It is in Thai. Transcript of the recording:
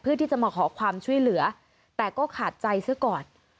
เพื่อที่จะมาขอความช่วยเหลือแต่ก็ขาดใจซะก่อน